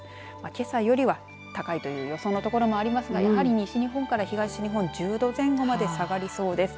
けさよりは高いという予想の所もありますがやはり西日本から東日本１０度前後まで下がりそうです。